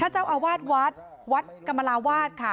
เจ้าอาวาสวัดวัดกรรมลาวาสค่ะ